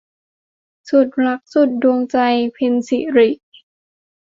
สุดรักสุดดวงใจ - เพ็ญศิริ